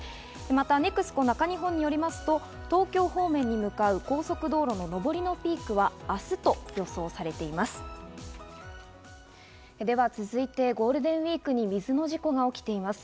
またＮＥＸＣＯ中日本によりますと、東京方面に向かう高速道路の上りのピークは明日と予想されています。